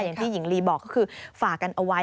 อย่างที่หญิงลีบอกก็คือฝากกันเอาไว้